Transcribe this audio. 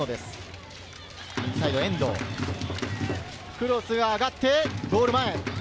クロスが上がって、ゴール前。